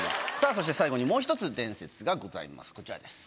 そして最後にもう一つ伝説がございますこちらです。